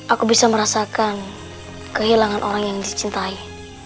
aku bisa merasakan kehilangan orang yang dicintai